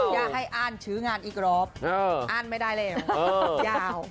อย่าให้อ่านชิ้งานอีกรอบอ่านไม่ได้เลย